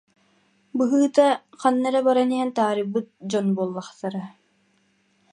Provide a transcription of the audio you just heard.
Быһыыта, ханна эрэ баран иһэн таарыйбыт «дьон» буоллахтара